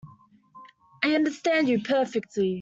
I understand you perfectly.